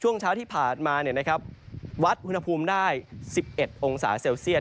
ช่วงเช้าที่ผ่านมาวัดอุณหภูมิได้๑๑องศาเซลเซียต